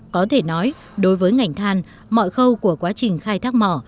có thể nói đối với ngành than mọi khâu của quá trình khai thác mỏ